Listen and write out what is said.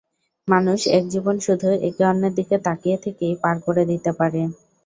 মানুষ এক জীবন শুধু একে অন্যের দিকে তাকিয়ে থেকেই পার করে দিতে পারে!